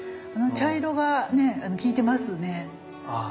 茶色がねきいてますね。